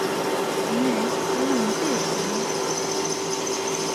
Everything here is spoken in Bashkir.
— Инәй, улың нисә йәштә ине?